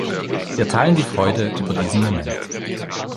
Wir teilen die Freude über diesen Moment.